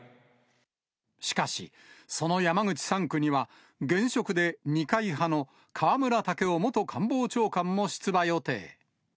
しかし、その山口３区には、現職で二階派の河村建夫元官房長官も出馬予定。